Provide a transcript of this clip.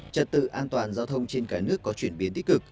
trật tự an toàn giao thông trên cả nước có chuyển biến tích cực